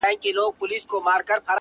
سوځوي چي زړه د وينو په اوبو کي;